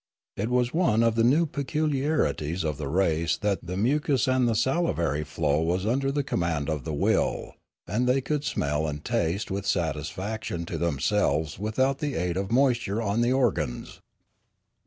It was one of the new peculiarities of the race that the mucous and salivary flow was under the command My Education Continued 265 of the will, and they could smell and taste with satis faction to themselves without the aid of moisture on the organs.